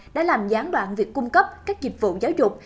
đã làm gián đoạn việc cung cấp các dịch vụ giáo dục